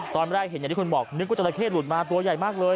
ตอนแรกเห็นอย่างที่คุณบอกนึกว่าจราเข้หลุดมาตัวใหญ่มากเลย